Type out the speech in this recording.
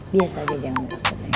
biasa aja jangan kaku sayang